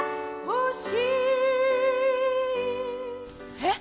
えっ！